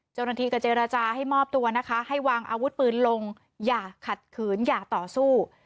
เจ้าหน้าที่ก็เจรจาให้มอบตัวนะคะให้วางอาวุธปืนลงอย่าขัดขืนอย่าต่อสู้